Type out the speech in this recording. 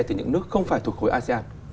từ những nước không phải thuộc khối asean